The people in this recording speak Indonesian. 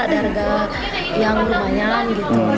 ada harga yang lumayan